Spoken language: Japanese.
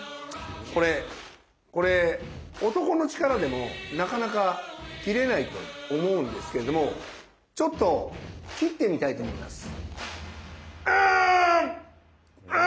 これ男の力でもなかなか切れないと思うんですけれどもちょっと切ってみたいと思います。